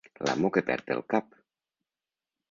L'amo que perd el cap.